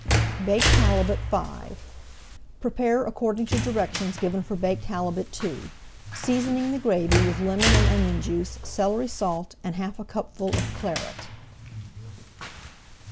BAKED HALIBUT V Prepare according to directions given for Baked Halibut II, seasoning the gravy with lemon and onion juice, celery salt, and half a cupful of Claret.